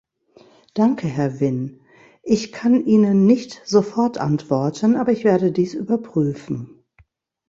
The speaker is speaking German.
Danke, Herr Wynn, ich kann Ihnen nicht sofort antworten, aber ich werde dies überprüfen.